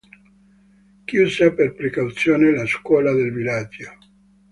Chiusa per precauzione la scuola del villaggio.